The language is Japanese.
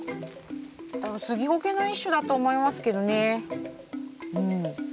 スギゴケの一種だと思いますけどね。